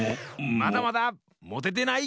まだまだ！もててない！